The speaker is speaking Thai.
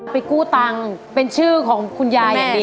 กู้ตังค์เป็นชื่อของคุณยายอย่างเดียว